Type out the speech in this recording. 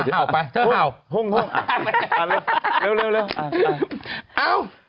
เร็ว